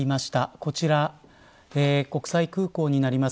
こちら国際空港になります。